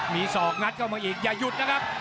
มีศอกงัดเข้ามาอีกอย่าหยุดนะครับ